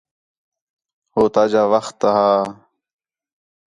ہو تاجا وخت ہا